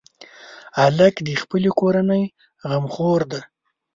هلک د خپلې کورنۍ غمخور دی.